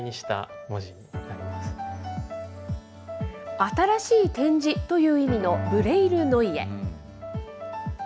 新しい点字という意味のブレイル・ノイエ。